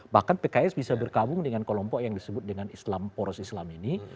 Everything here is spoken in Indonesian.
bahkan pks bisa bergabung dengan kelompok yang disebut dengan islam poros islam ini